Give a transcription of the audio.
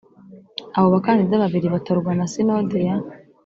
Abo Bakandida Babiri Batorwa Na Sinode Ya